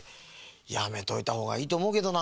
やめといたほうがいいとおもうけどな。